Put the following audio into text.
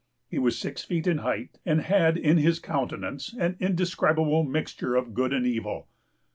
He was six feet in height, and had in his countenance an indescribable mixture of good and evil.